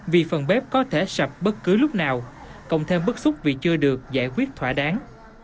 vì phần bếp có thể sập bất cứ lúc nào cộng thêm bức xúc vì chưa được giải quyết thỏa đáng